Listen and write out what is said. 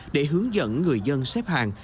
để hướng dẫn người dân xếp hàng